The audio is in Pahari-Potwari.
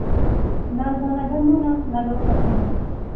نا گانا گنڈہنونا، نا لوک کہٹھے ہونے